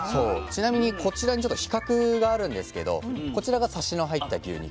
ちなみにこちらに比較があるんですけどこちらがサシの入った牛肉。